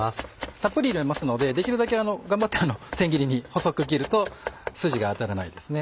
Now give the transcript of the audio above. たっぷり入れますのでできるだけ頑張って千切りに細く切ると筋が当たらないですね。